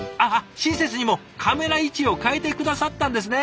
親切にもカメラ位置を変えて下さったんですね。